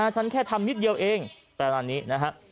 ฉันแค่ทำนิดเดียวเองแต่ตอนนี้นะครับ